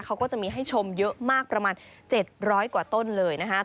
เขาก็จะมีให้ชมเยอะมากประมาณ๗๐๐กว่าต้นเลยนะคะ